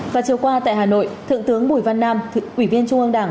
và chiều qua tại hà nội thượng tướng bùi văn nam ủy viên trung ương đảng